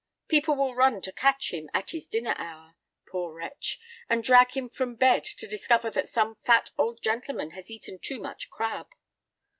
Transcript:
People will run to catch him "at his dinner hour," poor wretch, and drag him from bed to discover that some fat old gentleman has eaten too much crab.